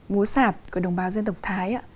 múa sạp của đồng bào dân tộc thái ạ